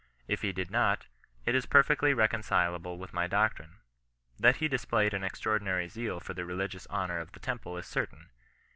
If he did not, it is perfectly reconcileable with my floctrine. That he displayed an extraordinary zeal for the religious honour of the temple is certain.